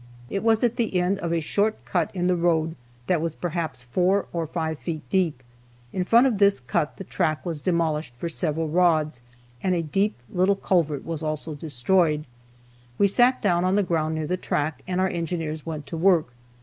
It was at the end of a short cut in the road that was perhaps four or five feet deep. In front of this cut the track was demolished for several rods, and a deep little culvert was also destroyed. We sat down on the ground near the track, and our engineers went to work.